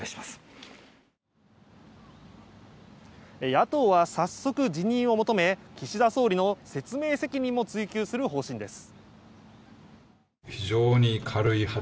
野党は早速、辞任を求め岸田総理の説明責任も追及する方針です。